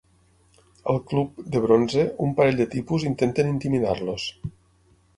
Al club The Bronze, un parell de tipus intenten intimidar-los.